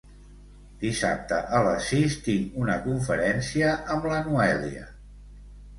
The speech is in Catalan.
Dissabte a les sis tinc una conferència amb la Noèlia.